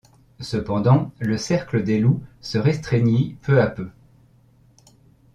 Cependant le cercle des loups se restreignit peu à peu.